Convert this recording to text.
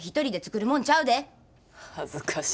恥ずかし。